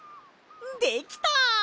できた！